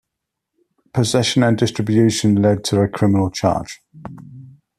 Possession and distribution lead to a criminal charge.